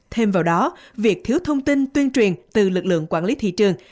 thêm vào đó việc thiếu thông tin tuyên truyền từ lực lượng quản lý thị trường